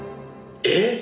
えっ⁉